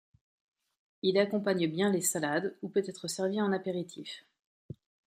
Il accompagne bien les salades, ou peut être servi en apéritif.